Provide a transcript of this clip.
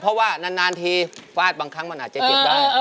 เพราะว่านานทีฟาดบางครั้งมันอาจจะเจ็บได้